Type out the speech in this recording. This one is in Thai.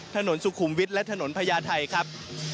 ถนนสุขุมวิทย์และถนนพญาไทยครับ